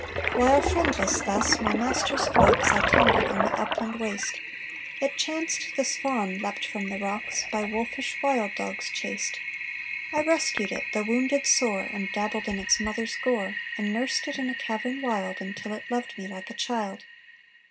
"While, friendless, thus, my master's flocks I tended on the upland waste, It chanced this fawn leapt from the rocks, By wolfish wild dogs chased: I rescued it, though wounded sore And dabbled in its mother's gore; And nursed it in a cavern wild, Until it loved me like a child.